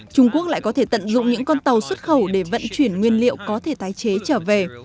trung quốc lại có thể tận dụng những con tàu xuất khẩu để vận chuyển nguyên liệu có thể tái chế trở về